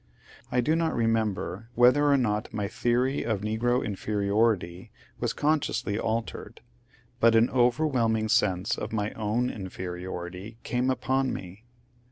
I do not remember whether or not my theory of negro inferiority was consciously altered, but an overwhelming sense of my own inferiority came upon me.